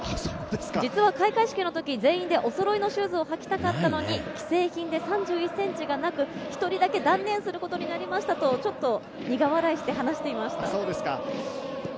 実は開会式の時、全員でおそろいのシューズを履きたかったのに既製品で３１ｃｍがなく、１人だけ断念することになりましたと、苦笑いして話していました。